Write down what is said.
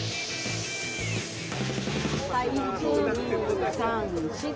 はい１２３４。